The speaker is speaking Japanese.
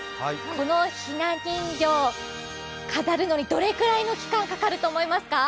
このひな人形、飾るのにどれくらいの期間かかると思いますか？